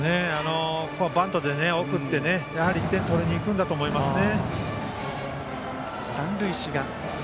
バントで送って１点を取りにいくんだと思いますね。